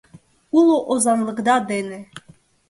Уло озанлыкда дене.